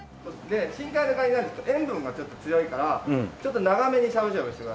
深海のカニなので塩分がちょっと強いからちょっと長めにしゃぶしゃぶしてください。